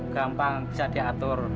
gampang bisa diatur